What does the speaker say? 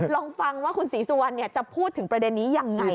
ลองฟังว่าคุณศรีสุวรรณจะพูดถึงประเด็นนี้ยังไง